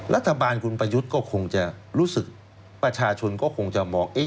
รัฐบาลคุณประยุทธ์ก็คงจะรู้สึกประชาชนก็คงจะมอง